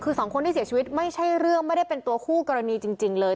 คือสองคนที่เสียชีวิตไม่ใช่เรื่องไม่ได้เป็นตัวคู่กรณีจริงเลย